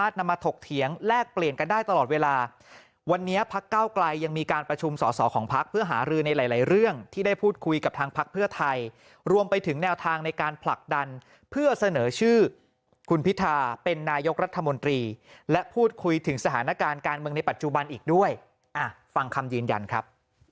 รวมไปถึงแนวทางในการผลักดันเพื่อเสนอชื่อคุณพิธาเป็นนายกรัฐมนตรีและพูดคุยถึงสถานการณ์การเมืองในปัจจุบันอีกด้วยอ่ะฟังคำยืนยันครับ